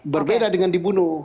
berbeda dengan dibunuh